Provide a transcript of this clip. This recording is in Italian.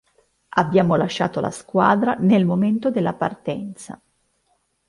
Abbiamo lasciato la squadra nel momento della partenza.